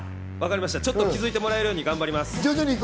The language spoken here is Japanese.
気づいてもらえるように頑張ります。